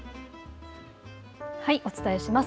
お伝えします。